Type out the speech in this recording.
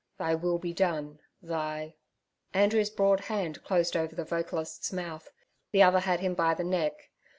Thy will be done. Thy—' Andrew's broad hand closed over the vocalist's mouth, the other had him by the neck.